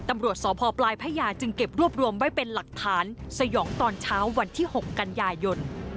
ตำรวจสพปลายพระยาจึงเก็บรวบรวมไว้เป็นหลักฐานสยองตอนเช้าวันที่๖กันยายน